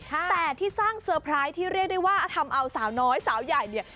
แต่ที่สร้างเซอร์ไพรส์ที่เรียกได้ว่าทำเอาสาวน้อยสาวใหญ่เนี่ย